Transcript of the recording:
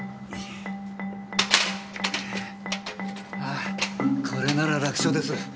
ああこれなら楽勝です。